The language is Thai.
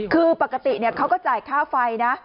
คือปกติเขาก็จ่ายค่าไฟนะ